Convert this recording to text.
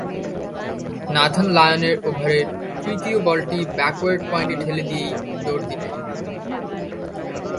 Nathan লায়নের ওভারের তৃতীয় বলটি ব্যাকওয়ার্ড পয়েন্টে ঠেলে দিয়েই দৌড় দিলেন।